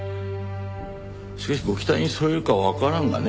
しかしご期待に沿えるかわからんがね。